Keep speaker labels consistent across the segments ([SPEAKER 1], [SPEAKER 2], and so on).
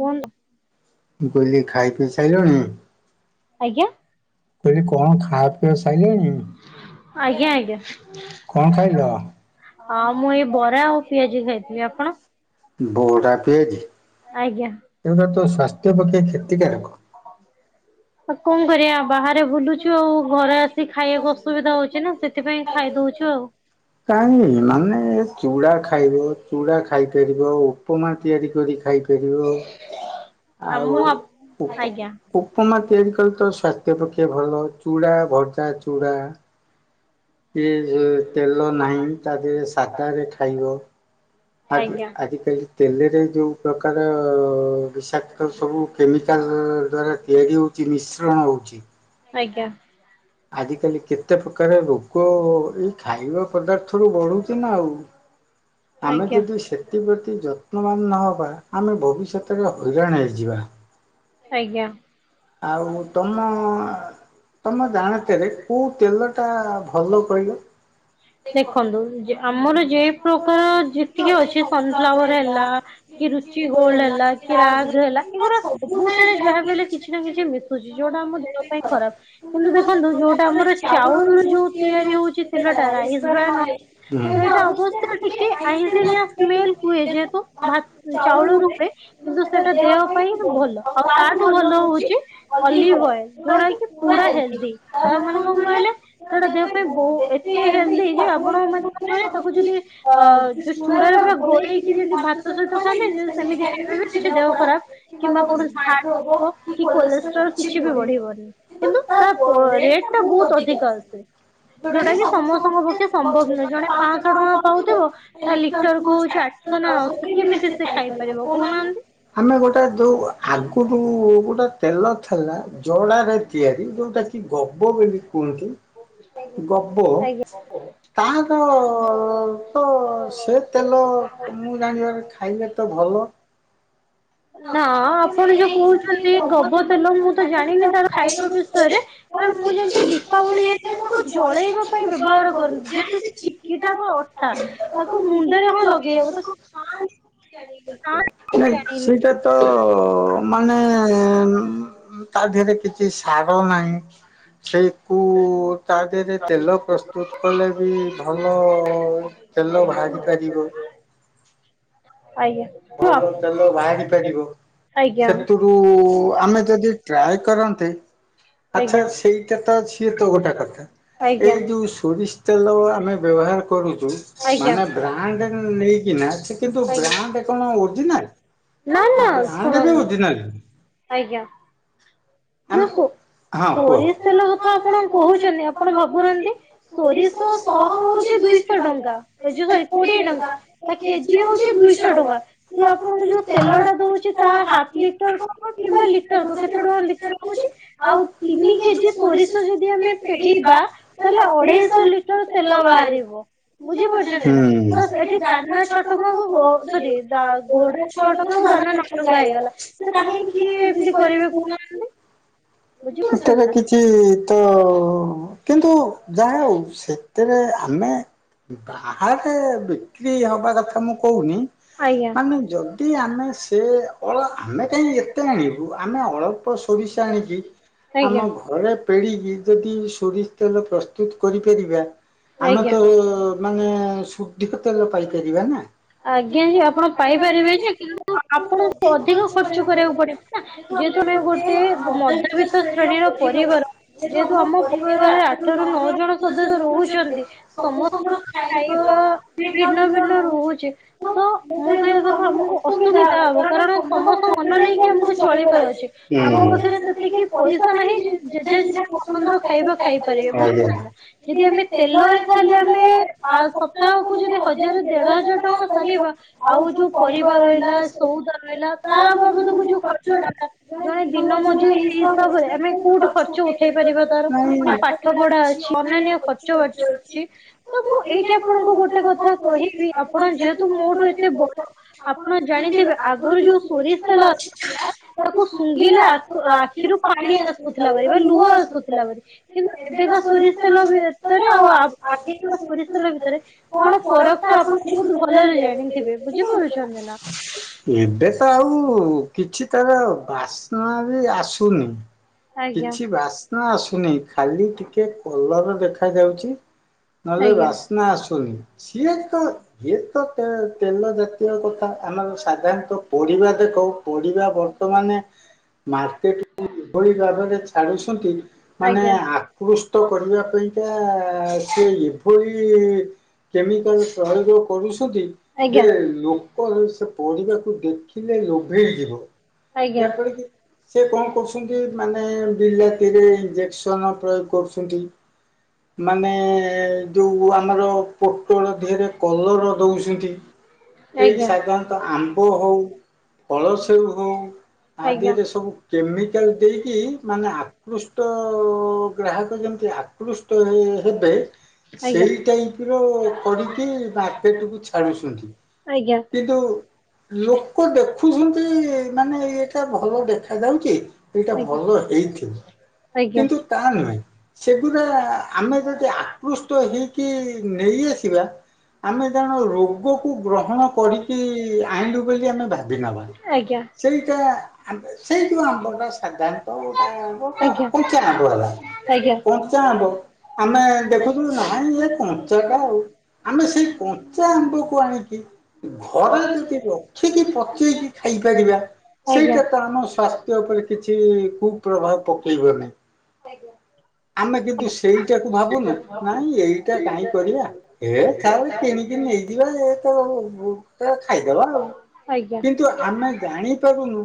[SPEAKER 1] କୁହନ୍ତୁ?
[SPEAKER 2] ମୁଁ କହିଲି ଖାଇ ପିଇ ସାଇଲଣି?
[SPEAKER 1] ଆଜ୍ଞା।
[SPEAKER 2] ମୁକହିଲି କଣ ଖା ପିଇବା ସାଇଲେ
[SPEAKER 1] ଆଜ୍ଞା ଆଜ୍ଞା। ଆ ମୁଁ ଏଇ ବରା ଆଉ ପିଆଜି ଖାଇଥିଲି ଆପଣ?
[SPEAKER 2] ବରା ପିଆଜି?
[SPEAKER 1] ଆଜ୍ଞା।
[SPEAKER 2] ଏଇରାତ ସଵାସ୍ଥ୍ୟ ପ୍ରତି କ୍ଷୀତିକାରକ।
[SPEAKER 1] ଆଉ କଣ କରିବା ବାହାରେ ବୁଲୁଛୁ ଆଉ ଘରେ ଆସି ଖାଇବାକୁ ଅସୁବିଧା ହଉଚିନା ସେ ସେଥିପାଇଁ ଖାଇଦଉଚୁ ଆଉ।
[SPEAKER 2] କାଇଁ ମାନେ ଚୁଡ଼ା ଖାଇବ ଚୁଡ଼ା ଖାଇପାରିବ ଉପ ଉପମା ତିଆରି କରି ଖାଇପାରିବ ଆଉ ଉପ ଉପମା ତିଆରି କଲେତ ସ୍ୱାସ୍ଥ୍ୟ ପକ୍ଷେ ଭଲ ଚୁଡ଼ା ଭଜା ଚୁଡ଼ା ଏ ଯଉ ତେଲ ନାହିଁ ତାଦେହରେ ସାଧରେ ଖାଇବ ଆଜି ଆଜିକାଲି ତେଲରେ ଯୋଉ ପ୍ରକାର ବିଷାକ୍ତ ସବୁ କେମିକାଲ ଦ୍ଵାରା ତିଆରି ହେଉଚି ମିଶ୍ରଣ ହେଉଚି।
[SPEAKER 1] ଆଜ୍ଞା।
[SPEAKER 2] ଆଜ କାଲି କେତେ ପ୍ରକାର ରୋ ଗ ଏଇ ଖାଇବା ପଦାର୍ଥରୁ ବଢ଼ୁଚିନା ଆଉ। ଆମେ ଯଦି ସେଥିପ୍ରତି ଯତ୍ନବାନ ନହେବା ଆମେ ଭବିଷ୍ୟତରେ ହଇରାଣ ହେଇଯିବା।
[SPEAKER 1] ଆଜ୍ଞା।
[SPEAKER 2] ଆଉ ତମ ତମେ ଜାଣତରେ କୋଉ ତେଲ ଟା ଭଲ କହିଲ?
[SPEAKER 1] ଦେଖନ୍ତୁ ଆମର ଯେ ପ୍ରକାର ଯେତିକି ଅଛି ସନଫ୍ଲାୱାର ହେଲା କି ରୁଚି ଗୋଲଡ ହେଲା କି ରାଗ ହେଲା ଏଗୁୁରା ସବୁ ତାରେ ଯାହାବିହେଲେ କିଛି ନା କିଛି ମିଶୁଛି ଯୋଉଟା ଆମ ଦେହ ପାଇଁ ଖରାପ। କିନ୍ତୁ ଦେଖନ୍ତୁ ଯୋଉଟା ଆମର ଚାଉଳ ରୁ ଯୋଉ ତିଆରି ହଉଛି ତେଲଟା ରାଇସ୍ ବ୍ରାଣ୍ଡ ଅ ସେଇଟା ଅବଶ୍ୟ ଟିକେ ଆଇଁସିନିଆ ସ୍ମେଲ ହୁଏ ଯେହେତୁ ଭା ଚାଉଳ ରୁ ହୁଏ କିନ୍ତୁ ସେଟା ଦେହ ପାଇଁ ଭଲ ଆଉ ତାଠୁ ଭଲ ହ ହଉଛି ଅଲିଭ୍ ଅଏଲ ଯୋଉଟା ପୁରା ହେ ଦି ତା ମାନେ କଣ କହିଲେ ସେଟା ଦେହ ପାଇଁ ବହୁ ଏତେ ହେଲ୍ଦି ଯେ ଆପଣ ମାନେ କଣ କହିଲେ ତାକୁ ଯଦି ଅ ଯୋଉ ଚୂଡାରେ ପୁରା ଗୋଳେଇକି ଯେମତି ଭାତ ସହିତ ଖାଆନ୍ତିନି ଯଦି ସେମତି ବି ଖାଇବେ ବି କିଛି ଦେହ ଖରାପ କିମ୍ବା କୌଣସି ହାର୍ଟ କି କୋଲେଷ୍ଟ୍ରୋଲ କିଛି ବି ବଢିବନି କିନ୍ତୁ ତା ପ ରେଟ୍ ଟା ବହୁତ ଅଧିକ ଆସେ। ଯୋଉଟା କି ସମସ୍ତଙ୍କ ପକ୍ଷେ ସମ୍ଭବ ନୁହେଁ ଜଣେ ପାଞ୍ଚଶହ ଟଙ୍କା ପାଉଥିବ ତା ଲିଟର କୁ ହଉଛି ଆ ନା କେମିତି ସେ ଖାଇପାରିବ କହୁନାହାନ୍ତି?
[SPEAKER 2] ଆମେ ଗୋଟେ ଜଉ ଆଗରୁ ଗୋଟା ତେଲ ଥିଲା ଜଡ଼ାରେ ତିଆରି ଯୋଉଟା କି ଗୋବ ବୋଲି କୁହନ୍ତି। ଗୋବ ତାର ତ ସେ ତେଲ ମୁଁ ଜାଣିବାରେ ଖାଇଲେ ତ ଭଲ।
[SPEAKER 1] ନା ଆପଣ ଯୋଉ କହୁଛନ୍ତି ଗୋବ ତେଲ ମୁଁ ତ ଜାଣିନି ତାର ଖାଇବା ବିଷୟରେ। କଣ ମୁଁ ଜାଣିଛି ଦିପା
[SPEAKER 2] ତୁ ନେଇ ଯିବୁ।
[SPEAKER 1] ହଁ ଜଳେଇବା ପାଇଁ ବ୍ୟବହାର କରନ୍ତି ଯେହେତୁ ଚିକିଟା ବା ଅଠା ତାକୁ ମୁଣ୍ଡରେ ହଁ ଲ ଫ୍ରି ହେବ ତ
[SPEAKER 2] ନାଇଁ ମାନେ ତା ଦେହରେ କିଛି ସାର ନାହିଁ। ସେଇ କୁ ତା ଦେହରେ ତେଲ ପ୍ରସ୍ତୁତ କଲେ ବି ଭଲ ତେଲ ବାହାରି ପାରିବ। ଭଲ ତେଲ ବାହାରି ପାରିବ ସେତୁ ଆମେ ଯଦି ଟ୍ରାଏ କରନ୍ତେ ଆଚ୍ଛା ସେଇଟା ତ ସିଏ ତ ଗୋଟେ କଥା ଏଇ ଯୋଉ ସୋରିଷ ତେଲ ଆମେ ବ୍ୟବହାର କରୁଛୁ ମାନେ ବ୍ରାଣ୍ଡ ନେଇକିନା ସେ କିନ୍ତୁ ବ୍ରାଣ୍ଡ କ କଣ ଅର୍ଜିନାଲ ବ୍ରାଣ୍ଡ ବି ଅର୍ଜିନାଲ ନୁହଁ।
[SPEAKER 1] ଆଜ୍ଞା। ଯୋଉ ସୋ ସୋରିଷ ତେଲ କଥା ଆପଣ କହୁଛନ୍ତି ଆପଣ ଭାବୁନାହାନ୍ତି। ସୋରିଷ ଶହ ହଉଛି ଦୁଇଶହ ଟଙ୍କା ଏ ଯୋ ସରି କୋଡିଏ ଟଙ୍କା। କେଜି ହଉଛି ଦୁଇଶହ ଟଙ୍କା ସେ ଆପଣଙ୍କୁ ଯୋଉ ତେଲଟା ଦଉଛି ତାହା ହାପ୍ ଲି [inaudible] କିମ୍ବା ଲିଟରକ କେତେ ଟଙ୍କା? [inaudible] ଆଉ ତିନି କେଜି ସୋରିଷ ଯଦି ଆମେ ପେଡିବା ତାହଲେ ଅଢେଇଶ ଲି ତେଲ ବାହାରିବ ବୁଝି ପାରୁଛନ୍ତି ନା ତ ବାସ୍ ଏଠି କାନା ଛଅ ଟଙ୍କାକୁ ସରି ଘୋଡା [inaudible] ଦାନା ନଟଙ୍କା ହେଇଗଲା ସେ କାହିଁକି କିଏ ଏମିତି କରିବେ କୁହ?
[SPEAKER 2] ଏଥିରେ କିଛି ତ କିନ୍ତୁ ଯାହା ହଉ ସେତେରେ ଆମେ ବାହାରେ ବିକ୍ରି ହବା କଥା ମୁଁ କହୁନି। ମାନେ ଯଦି ଆମେ ସେ ଅଳ ଆମେ କାହିଁ ଏତେ ଆଣିବୁ ଆମେ ଅଳପ ରିଷ ଆଣିକି ଆମ ଘରେ ପେଡ଼ିକି ଯଦି ସୋରିଷ ତେଲ ପ୍ରସ୍ତୁତ କରିପାରିବା
[SPEAKER 1] ଆଜ୍ଞା।
[SPEAKER 2] ମାନେ ଶୁଦ୍ଧ ତେଲ ପାଇପାରିବା ନା।
[SPEAKER 1] ଆଜ୍ଞା ଯେ ଆପଣ ପାଇପାରିବେ ଯେ କିନ୍ତୁ ଆପଣଙ୍କୁ ଅଧିକ ଖର୍ଚ୍ଚ କରିଆକୁ ପଡି ନା ଯେହେତୁ ଆମେ ଗୋ ଟେ ମଧ୍ୟବିତ୍ତ ଶ୍ରେଣୀର ପରିବାର ଯେହେତୁ ଆମ ପରିବାରରେ ଆଠ ରୁ ନଅ ଜଣ ସଦସ୍ୟ ରହୁଚନ୍ତି ସମସ୍ତ ଖାଇବା ଭିନ୍ନ ଭିନ୍ନ ରହୁଚି ତ ମୁଁ କହିବା କଥା ଆମୁକୁ ଅସୁବିଧା ହବ କାରଣ ସମସ୍ତଙ୍କ ମନ ନେଇକି ଆମୁକୁ ଚଳିପାର ଅଛି। ଆମ ପାଖରେ ସେତିକି ପଇସା ନାହିଁ ଯେ ଯେଝା ପସନ୍ଦର ଖାଇବା ଖାଇପାରିବେ ବୁଝିଲ ନା। ଯଦି ଆମେ ତେଲରେ ଖାଲି ଆମେ ଆଉ ସପ୍ତାହକୁ ଯଦି ହଜାର ଦେଢ ହଜାର ଟଙ୍କା ସାରିବା ଆଉ ଯୋଉ ପରିବା ରହିଲା ସଉଦା ରହିଲା ତା ବାବଦକୁ ଯୋଉ ଖର୍ଚ୍ଚ ଟା ଜଣେ ଦିନ ମଜୁରି ହିସାବରେ ଆମେ କୋଉଟୁ ଖର୍ଚ୍ଚ ଉଠେଇ ପାରିବା ତାର ପୁଣି ପା ଠ ପଢା ଅଛି ଅନ୍ୟାନ୍ୟ ଖର୍ଚ୍ଚ ବାର୍ଚ ଅଛି। ତ ମୁଁ ଏଇଠି ଆପଣଙ୍କୁ ଗୋଟେ କଥା କହିବି ଆପଣ ଯେହେତୁ ମୋ ଠୁ ଏତେ ବଡ ଆପଣ ଜାଣିଥିବେ ଆଗୁରୁ ଯୋଉ ସୋରିଷତେଲ [inaudible] କୁ ଶୁଙ୍ଘିଲେ ଆଖୁ-ଆଖିରୁ ପାଣି ଆସୁଥିଲା ଭାରି ବା ଲୁହ ଆସୁଥିଲା ଭାରି। କିନ୍ତୁ ଏବେକା ସୋରିଷ ତେଲ ଭିତରେ ଆଉ ଆ ଆ [unintelligible] ସୋରିଷ ତେଲ ଭିତରେ କଣ ଫରକ ଟା ଆପଣ ବହୁତ ଭଲରେ ଜାଣିଥିବେ ବୁଝିପାରୁଚନ୍ତି ନା?
[SPEAKER 2] ଏବେ ତ ଆଉ କିଛି ତାର ବାସ୍ନା ବି ଆସୁନି। କିଛି ବାସ୍ନା ଆସୁନେଇ ଖାଲି ଟିକେ କଲର ଦେଖାଯାଉଚି। ନହେଲେ ବାସ୍ନା ଆସୁନି ସିଏ ତ ଇଏ ତ ତେ-ତେଲ ଯେ [unintelligible] କଥା ଆମର ସାଧାରଣତଃ ପରିବା ଦେଖ ପରିବା ବର୍ତ୍ତମାନେ ମାର୍କେଟ କୁ ଏଭଳି ଭାବରେ ଛାଡୁଛନ୍ତି ମାନେ ଆକୃଷ୍ଟ କରିବା ପାଇଁ କା ସେ ଏଭଳି କେମିକାଲ ପ୍ରୟୋଗ କରୁଛନ୍ତି ଯେ ଲୋକ ସେ ପରିବାକୁ ଦେଖି ଲେ ଲୋଭେଇ ଯିବ।
[SPEAKER 1] ଆଜ୍ଞା।
[SPEAKER 2] ସେ କଣ କରୁଛନ୍ତି ମାନେ ବିଲାତିରେ ଇଞ୍ଜେକ୍ସନ ପ୍ରୟୋଗ କରୁଛନ୍ତି। ମାନେ ଯୋଉ ଆମର ପୋଟଳ ଦେହେରେ କଲର ଦଉଛନ୍ତି। ଏଇ ସାଧାରଣତଃ ଆମ୍ବ ହଉ ଫଳ ସେଉ ହଉ। ଆ ଦେହେରେ ସବୁ କେମିକାଲ ଦେଇକି ମାନେ ଆ କୃଷ୍ଟ ଗ୍ରାହକ ଯେମିତି ଆକୃଷ୍ଟ ଏ ହେବେ ସେଇ ଟାଇପି ର କରିକି ମାର୍କେଟକୁ ଛାଡୁଛନ୍ତି କିନ୍ତୁ ଲୋକ ଦେଖୁଛନ୍ତି ମାନେ ଏଟା ଟା ଭଲ ଦେଖା ଯାଉଚି ଏଇଟା ଭଲ ହେଇଥିବ। କିନ୍ତୁ ତା ନୁହେଁ ସେଗୁଡା ଆମେ ଯଦି ଆକୃଷ୍ ଷ୍ଟ ହେଇକି ନେଇ ଆସିବା। ଆମେ ଜାଣ ରୋଗ୍
[SPEAKER 1] ଆଜ୍ଞା। ଆଜ୍ଞା ଆଜ୍ଞା। କଞ୍ଚା ଆମ୍ବ
[SPEAKER 2] ଆମେ ଦେଖୁଥିଲୁ ନାହିଁ ଏ କଞ୍ଚା ଲା ଆଉ ଆମେ ସେଇ କଞ୍ଚା ଆମ୍ବକୁ ଆଣିକି ଘରେ ଯଦି ରଖିକି ପଚେଇକି ଖାଇପାରିବା ସେଇଟା ତ ଆମ ସ୍ୱାସ୍ଥ୍ୟ ଉପରେ କିଛି କୁ ପ୍ର୍ରଭାବ ପକେଇବନି। ଆମେ କିନ୍ତୁ ସେଇଟାକୁ ଭାବୁନୁ ନାଇଁ ଏଇଟା କାହିଁ କରିବା ଏ ଛାର କିଣିକି ନେଇ ଯିବା ଯେ [unintelligible] ଖାଇଦବା ଆଉ କିନ୍ତୁ ଆମେ ଜାଣି ପାରୁନୁ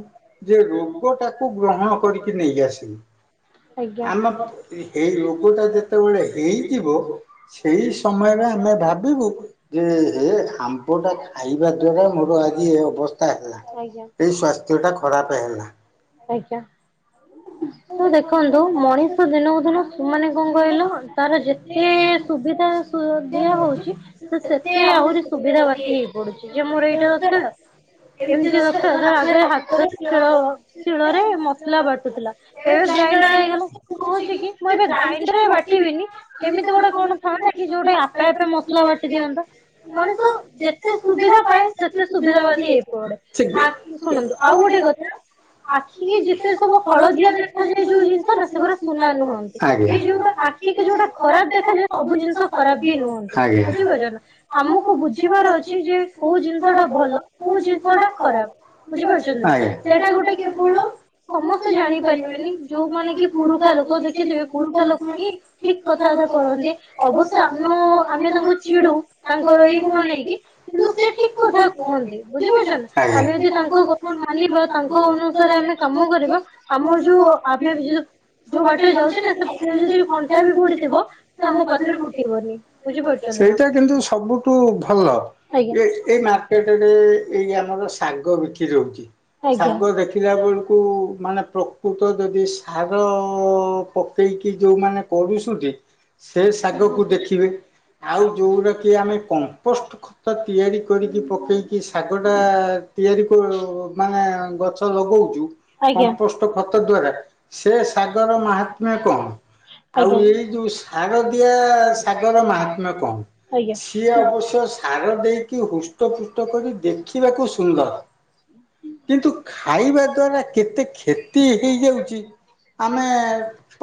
[SPEAKER 2] ଯେ ରୋଗ ଟାକୁ ଗ୍ରହଣ କରିକି ନେଇ ଆସିଲି ଆମ ଏ ହେଇ ରୋଗଟା ଯେତେବେଳେ ହେଇଯିବ ସେଇ ସମୟରେ ଆମେ ଭାବିବୁ ଯେ ହେ ଆମ୍ବ ଟା ଖାଇବା ଦ୍ଵାରା ମୋର ଆଜି ଏ ଅବସ୍ଥା ହେଲା। ଏଇ ସ୍ୱାସ୍ଥ୍ୟ ଟା ଖ
[SPEAKER 1] ଆଜ୍ଞା ତ ଦେଖନ୍ତୁ ମଣିଷ ଦିନକୁ ଦିନ ତୁମାନେ କଣ କହିଲ ତାର ଯେତେ ସୁବିଧା ଶୁ ଦିଆ ହଉଛି ସେ ସେତେ ଆହୁରି ସୁବିଧା ବାଦୀ ହେଇ ପଡ଼ୁଛି ଯେ ମୋର ଏଇଟା ଦରକାର
[SPEAKER 2] [unintelligible] [unintelligible] [unintelligible] ମଣିଷ ଯେତେ ସୁବିଧା ପାଏ ସେତେ ସୁବିଧା ବାଦି ହେଇଯାଏ। ଆଉ ଗୋଟେ କଥା ଆଖି କି ଯେତେ ସବୁ ଫଳ [unintelligible] ଆଜ୍ଞା ଆଜ୍ଞା। ଆମକୁ ବୁଝିବାର ଅଛି ଯେ କୋଉ ଜିନିଷ ଟା ଭଲ କୋଉ ଜିନିଷ ଟା ଖରାପ୍। ଆଜ୍ଞା। ପାରିବାନି ମୋ ମାନେ କି ପୁରୁଣାଲୋକ କିଛି ପୁରୁଣା ଲୋକହିଁ ଠିକ୍ କଥାବାର୍ତା କରନ୍ତି ଅବଶ୍ୟ ଆମ ଆମେ ତାଙ୍କୁ ଚିଡୁ ତାଙ୍କ ଏଇ କୁଣ ନେଇକି କିନ୍ତୁ ସେ ଠିକ୍ କଥା କୁହନ୍ତି ବୁଝିପାରୁଛନ୍ତି [unintelligible] [unintelligible] [unintelligible] ତ ଆମ ପଦରେ ଫୁଟେଇ ଦବ। ସେଇଟା କିନ୍ତୁ ସବୁଠୁ ଭଲ ଏ ଏଇ ମାର୍କେଟ୍ ରେ ଏଇ ଆମର ଶାଗ ବିକିରି ହଉଛି ଶାଗ ଦେଖିଲା ବେଳକୁ ମାନେ ପ୍ରକୃତ ଯଦି ସାର ପକାଇକି ଯଉଁମାନେ କରୁଛନ୍ତି ସେ ଶାଗକୁୁ ଦେଖିବେ ଆଉ ଯଉରାକି ଆମେ କମ୍ପୋଷ୍ଟ ଖତ ତିଆରି କରିକି ପକେଇକି ଶାଗଟା ତିଆରି କରୁ ମାନେ ଗଛ ଲଗଉଛୁ କମ୍ପୋଷ୍ଟ ଖତ ଦ୍ଵାରା ସେ ସାଗର ମହାତ୍ମ୍ୟ କଣ? ଆଉ ଏଇ ଯୋଉ ଶାରଦିଆ ସାଗର ମହାତ୍ମ୍ୟ କଣ? ସିଏ ଅବଶ୍ୟ ସାର ଦେଇକି ହୃଷ୍ଟ ପୃଷ୍ଟ କରି ଦେଖିବାକୁ ସୁନ୍ଦର୍ କିନ୍ତୁ ଖାଇବା ଦ୍ଵାରା କେତେ କ୍ଷେତି ହେଇଯାଉଛି ଆମେ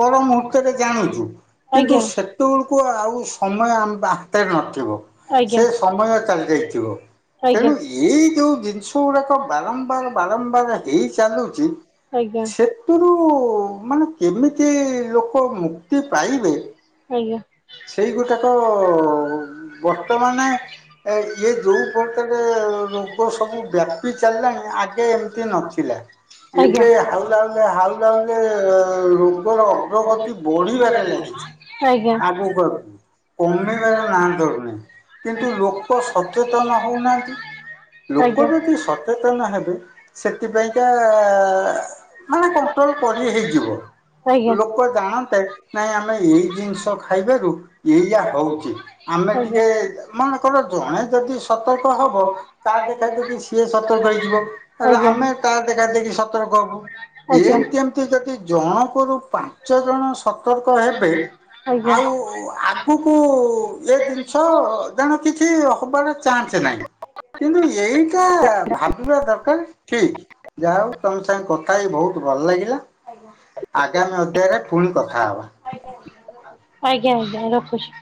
[SPEAKER 2] ପର ମୁହୂର୍ତ୍ତରେ ଜାଣୁଛୁ କିନ୍ତୁ ସେତଉଳୁକୁ ଆଉ ସ ସମୟ ଆମ ବା ହାତରେ ନଥିବ ସେ ସମୟ ଚାଲି ଯାଇଥିବ। ତେଣୁ ଏଇ ଯୋଉ ଜିନିଷ ଗୁଡ଼ାକ ବାରମ୍ବାର ବାରମ୍ବାର ହେଇ ଚାଲୁଚି ସେତୁରୁ ମାନେ କେମିତି ଲୋକ ମୁକ୍ତି ପାଇବେ?
[SPEAKER 1] ଆଜ୍ଞା।
[SPEAKER 2] ସେଇଗୋଟାକ ଅ, ବର୍ତ୍ତମାନେ ଏ ଇଏ ଯୋଉ ପ୍ରକାର ରୋଗ ସବୁ ବ୍ୟାପି ଚାଲିଲାଣି, ଆ ଆଗେ ଏମିତି ନଥିଲା। ଏବେ ହାଉଲେ ହାଉଲେ, ହାଉଲେ ହାଉଲେ, ରୋଗର ଅଗ୍ରଗତି ବଢିବାରେ ଲାଗିଚି। ଆଗୁକୁ, ଆଗୁକୁ, କମିବାର ନା ଧରୁନି। କିନ୍ତୁ ଲୋକ ସଚେତନ ହଉନାହାନ୍ତି ଲୋକ ଯଦି ସଚେତନ ହେବେ ସେଥିପାଇଁକା ମାନେ କଣ୍ଟ୍ରୋଲ କରି ହେଇଯିବ, ଲୋକ ଜାଣନ୍ତେ, ନାଇଁ ଆମେ ଏଇ ଜିନିଷ ତ ଖାଇବାରୁ ଏଇଆ ହଉଚି, ଆମେ ଟିକେ, ମନେକର ଜଣେ ଯଦି ସ ସତର୍କ ହବ, ତା ଦେଖାଦେଖି ସିଏ ସତର୍କ ହେଇଯିବ। ଆ ଆମେ ତା ଦେଖାଦେକି ସତର୍କ ହବୁ। ଏମିତି ଏମିତି ଯଦି ଜଣକରୁ ପାଞ୍ଚ ଜଣ ସତର୍କ ହେବେ ଆଉ ଆଗକୁ, ଏ ଜିନିଷ ଜାଣ କିଛି ହ ହବାର ଚାନ୍ସ ନାହିଁ, କିନ୍ତୁ ଏଇଟା ଭାବିବା ଦରକାର ଠିକ୍। ଯାଆ ହଉ, ତମ ସାଙ୍ଗେ କଥା ହେଇ ବହୁତ ଭଲ ଲାଗିଲା, ଆଗାମୀ ଅଧ୍ୟାୟରେ ପୁଣି କଥା ହବା।
[SPEAKER 1] ଆଜ୍ଞା ଆଜ୍ଞା ରଖୁଛି।